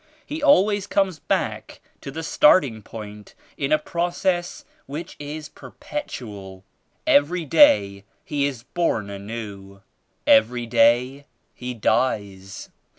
He always comes back to the starting point in a process which is perpetual. Every day he is bom anew; every day he dies.